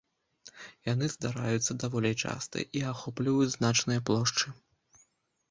Яны здараюцца даволі часта і ахопліваюць значныя плошчы.